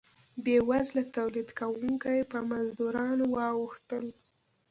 بیوزله تولید کوونکي په مزدورانو واوښتل.